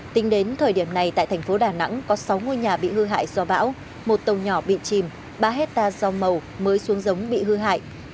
tính đến thời điểm này tại thành phố đà nẵng có sáu ngôi nhà bị hư hại do bão một tàu nhỏ bị chìm ba hectare rau màu mới xuống giống bị hư hại